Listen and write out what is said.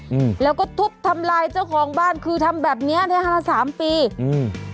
อืมแล้วก็ทุบทำลายเจ้าของบ้านคือทำแบบเนี้ยเนี้ยห้าละสามปีอืม